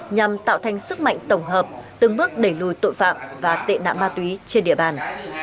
nhằm tạo thành sức mạnh tổng hợp từng bước đẩy lùi tội phạm và tệ nạn ma túy trên địa bàn